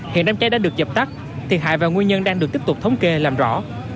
hiện đám cháy đã được dập tắt thiệt hại và nguyên nhân đang được tiếp tục thống kê làm rõ